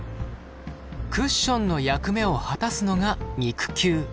クッションの役目を果たすのが肉球。